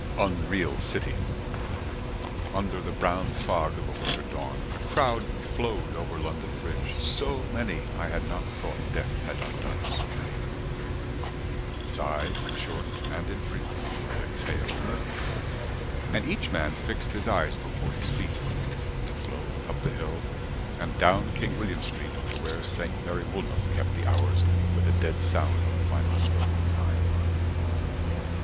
Unreal City, 60 Under the brown fog of a winter dawn, A crowd flowed over London Bridge, so many, I had not thought death had undone so many. Sighs, short and infrequent, were exhaled, And each man fixed his eyes before his feet. Flowed up the hill and down King William Street, To where Saint Mary Woolnoth kept the hours With a dead sound on the final stroke of nine.